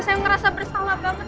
saya ngerasa bersalah banget